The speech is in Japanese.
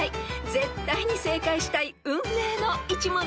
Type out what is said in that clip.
［絶対に正解したい運命の１問です］